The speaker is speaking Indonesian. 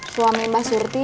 suami mbak surti